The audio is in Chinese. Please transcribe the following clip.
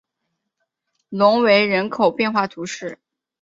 隆维人口变化图示